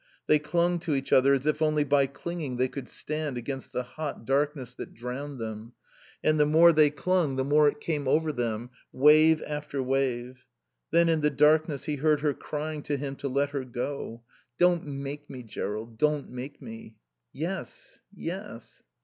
They clung to each other as if only by clinging they could stand against the hot darkness that drowned them; and the more they clung the more it came over them, wave after wave. Then in the darkness he heard her crying to him to let her go. "Don't make me, Jerrold, don't make me." "Yes. Yes."